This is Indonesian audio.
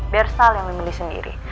biar sal yang memilih sendiri